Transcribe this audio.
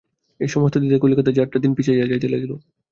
এই-সমস্ত দ্বিধায় কলিকাতায় যাত্রার দিন পিছাইয়া যাইতে লাগিল।